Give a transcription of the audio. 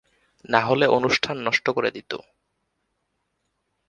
নাহলে অনুষ্ঠান নষ্ট করে দিত।